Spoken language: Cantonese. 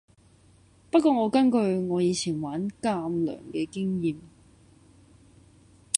不過我根據我以前玩艦娘嘅經驗